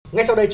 ngay sau đây